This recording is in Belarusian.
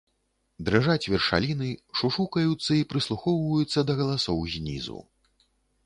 Дрыжаць вершаліны, шушукаюцца і прыслухоўваюцца да галасоў знізу.